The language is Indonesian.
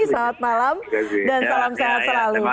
selamat malam dan salam sehat selalu